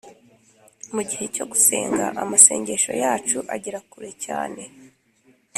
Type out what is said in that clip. Mu gihe cyo gusenga ,amase ngesho yacu agera kure cyane